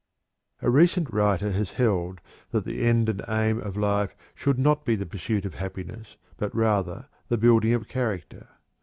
A recent writer has held that the end and aim of life should not be the pursuit of happiness, but rather the building of character.